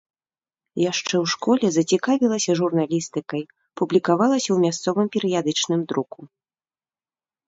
Яшчэ ў школе зацікавілася журналістыкай, публікавалася ў мясцовым перыядычным друку.